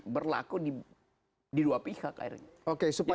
berlaku di dua pihak akhirnya